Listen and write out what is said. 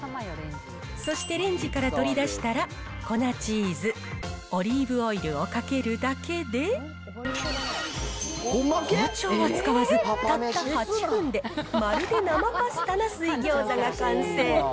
そしてレンジから取り出したら粉チーズ、オリーブオイルをかけるだけで、包丁を使わず、たった８分で、まるで生パスタな水餃子が完成。